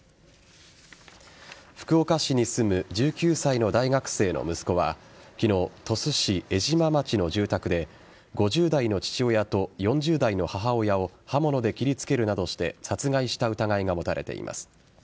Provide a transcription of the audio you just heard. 福岡市に住む１９歳の大学生の息子は昨日、鳥栖市江島町の住宅で５０代の父親と４０代の母親を刃物で切りつけるなどして殺害した疑いが持たれています。